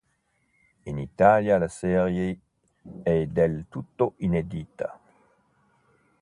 In Italia la serie è del tutto inedita.